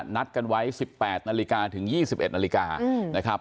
นัดกันไว้๑๘นาฬิกาถึง๒๑นาฬิกานะครับ